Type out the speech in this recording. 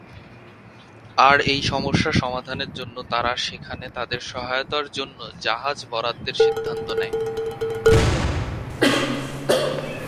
আর এই সমস্যার সমাধানের জন্য তারা সেখানে তাদের সহায়তার জন্য জাহাজ বরাদ্দের সিদ্ধান্ত নেয়।